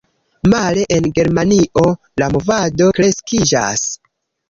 Male, en Germanio, la movado kreskiĝas.